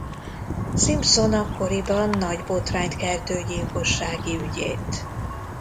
Simpson akkoriban nagy botrányt keltő gyilkossági ügyét.